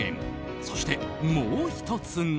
そして、もう１つが。